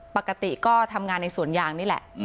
ปกติก็ทำงานในสวนยางนี่แหละ